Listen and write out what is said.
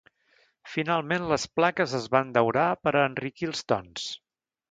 Finalment, les plaques es van daurar per a enriquir els tons.